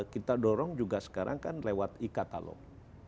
kita dorong juga sekarang kan lewat e katalog